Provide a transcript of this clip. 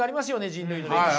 人類の歴史。